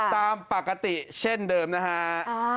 ตามปกติเช่นเดิมนะฮะ